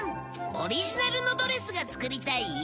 「オリジナルのドレスが作りたい」？